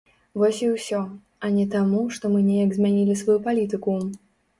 Вось і ўсё, а не таму, што мы неяк змянілі сваю палітыку.